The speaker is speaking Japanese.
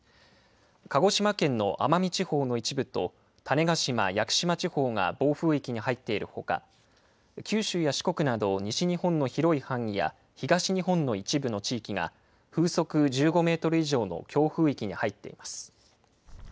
鹿児島県の奄美地方の一部と種子島・屋久島地方が暴風域に入っているほか、九州や四国など、西日本の広い範囲や東日本の一部の地域が、風速１５メートル以上の強風域に入っています。